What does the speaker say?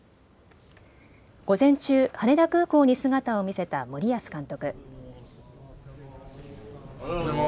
午前中、羽田空港に姿を見せた森保監督。